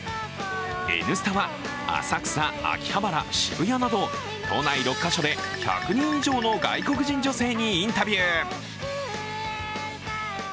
「Ｎスタ」は、浅草、秋葉原渋谷など都内６か所で１００人以上の外国人女性にインタビュー。